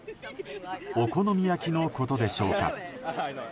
お好み焼きのことでしょうか。